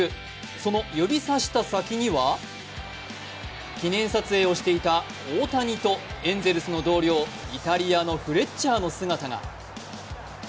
その指さした先には、記念撮影をしていた大谷とエンゼルスの同僚、イタリアのフレッチャーの姿が。